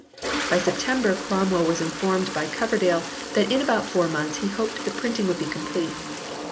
By September Cromwell was informed by Coverdale that in about four months he hoped the printing would be complete.